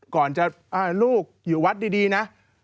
ก่อนจะลูกอยู่วัดดีนะ